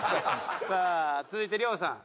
さあ続いて亮さん。